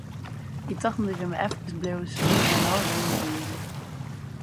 Wy tochten dat we hjir mar efkes bliuwe soene, mar no wenje we hjir!